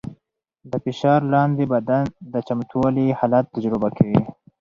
د فشار لاندې بدن د چمتووالي حالت تجربه کوي.